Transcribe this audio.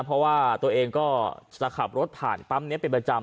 เพราะว่าตัวเองก็จะขับรถผ่านปั๊มนี้เป็นประจำ